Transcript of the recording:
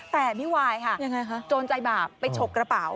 แต่พี่วายค่ะโจรใจบาปไปฉกกระเป๋า